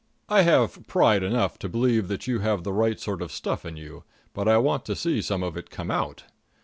I have pride enough to believe that you have the right sort of stuff in you, but I want to see some of it come out.